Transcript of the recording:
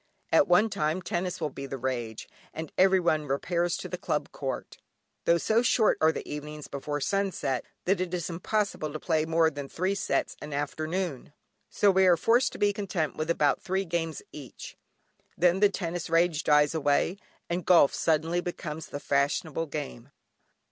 At one time tennis will be the rage, and every one repairs to the Club court, tho' so short are the evenings before sunset, that it is impossible to play more than three sets an afternoon, so we are forced to be content with about three games each. Then the tennis rage dies away, and golf suddenly becomes the fashionable game.